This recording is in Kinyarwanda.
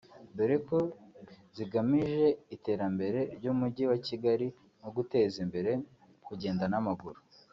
dore ko zigamije iterambere ry’Umujyi wa Kigali no guteza imbere kugenda n’amaguru